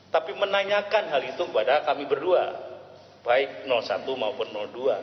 tapi menanyakan hal itu kepada kami berdua baik satu maupun dua